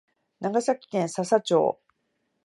長崎県佐々町